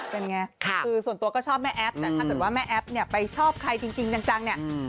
เป็นไงส่วนตัวก็ชอบแม่แอฟแต่ถ้าแม่แอฟไปชอบใครจริงจังเนี่ย